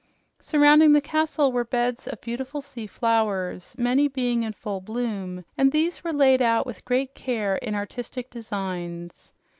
Surrounding the castle were beds of beautiful sea flowers, many being in full bloom, and these were laid out with great care in artistic designs.